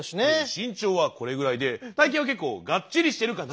身長はこれぐらいで体形は結構がっちりしてるかな。